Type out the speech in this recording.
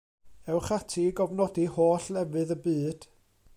Ewch ati i gofnodi holl lefydd y byd.